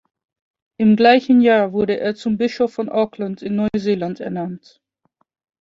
Im gleichen Jahr wurde er zum Bischof von Auckland in Neuseeland ernannt.